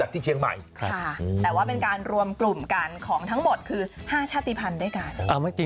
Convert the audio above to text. แต่ว่าเป็นการรวมกลุ่มกันของทั้งหมดคือ๕ชาติภัณฑ์ด้วยกัน